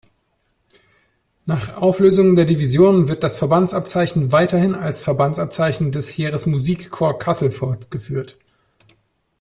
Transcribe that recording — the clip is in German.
Nach Auflösung der Division wird das Verbandsabzeichen weiterhin als Verbandsabzeichen des Heeresmusikkorps Kassel fortgeführt.